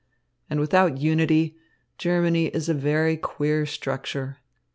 And without unity, Germany is a very queer structure.